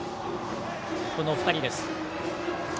この２人です。